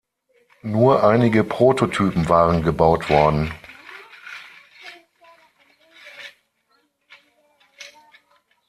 Nur einige Prototypen waren gebaut worden.